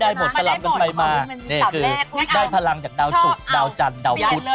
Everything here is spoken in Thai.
ดูได้โหมดสลับเกินไปมานี่คือได้พลังจากดาวเศรษฐ์สุขดาวจันทร์ดาวคุณ